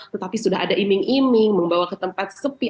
tetapi sudah ada iming iming membawa ke tempat sepi